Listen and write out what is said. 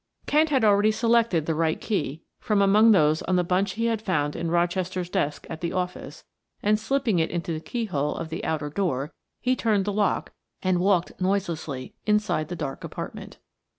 Kent had already selected the right key from among those on the bunch he had found in Rochester's desk at the office, and slipping it into the key hole of the outer door, he turned the lock and walked noiselessly inside the dark apartment.